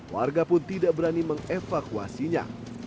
warga pun tidak berani mengevakuasinya